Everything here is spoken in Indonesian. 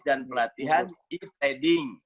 dan pelatihan e trading